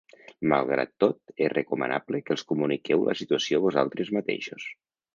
Malgrat tot, és recomanable que els comuniqueu la situació vosaltres mateixos.